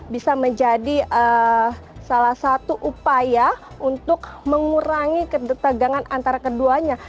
bisa menjadi salah satu upaya untuk mengurangi ketegangan antara keduanya